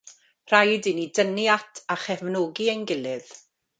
Rhaid i ni dynnu at a chefnogi ein gilydd.